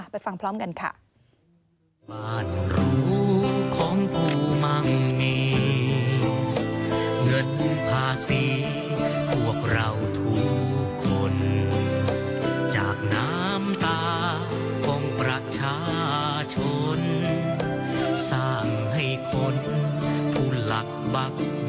ไปฟังพร้อมกันค่ะ